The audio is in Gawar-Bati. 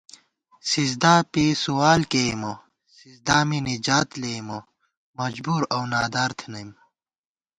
سِزدا پېئی سُوال کېئیمہ سِزدامی نِجات لېئیمہ مجُبُور اؤ نادار تھنَئیم